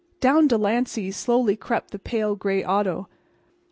Down Delancey slowly crept the pale gray auto.